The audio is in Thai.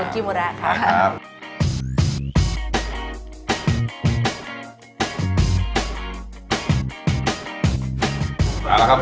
ใช่ค่ะ